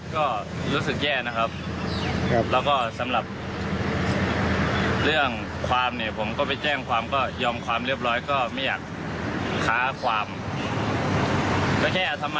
ตอนนี้ก็คือเมาะโลละ๔๐โลละ๔๐ผมบอกก่อนตลอดครับ๓กิโล๑๐๐บาทใช่ครับ